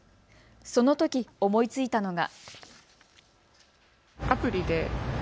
そのとき、思いついたのが。